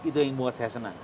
itu yang membuat saya senang